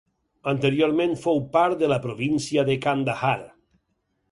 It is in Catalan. Anteriorment fou part de la província de Kandahar.